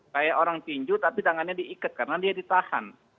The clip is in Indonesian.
kayak orang tinju tapi tangannya diikat karena dia ditahan